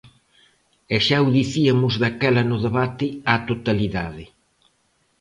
E xa o diciamos daquela no debate á totalidade.